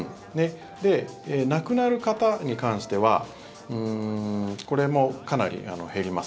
亡くなる方に関してはこれもかなり減ります。